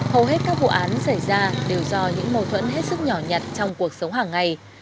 hầu hết các vụ án xảy ra đều do những mâu thuẫn hết sức nhỏ nhặt trong cuộc sống hàng ngày